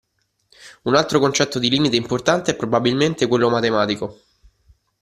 Un altro concetto di limite importante è probabilmente quello matematico.